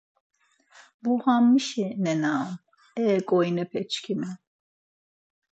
Bo ham mişi nena on e ǩoyinepeşǩiiiimi?